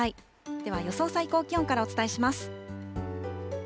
では予想最高気温からお伝えします。